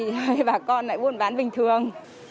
để bà con lại buôn bán bình thường